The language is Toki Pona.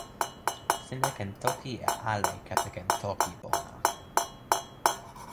sina ken toki e ale kepeken Toki Pona.